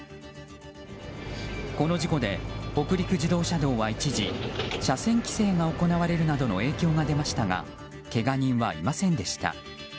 この事故で、北陸自動車道は一時車線規制が行われるなどの影響が出ましたがけが人はいませんでした。